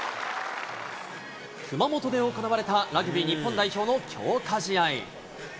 熊本で行われたラグビー日本代表の強化試合。